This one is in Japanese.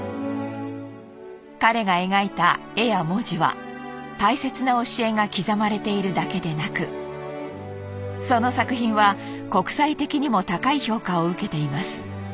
彼が描いた絵や文字は大切な教えが刻まれているだけでなくその作品は国際的にも高い評価を受けています。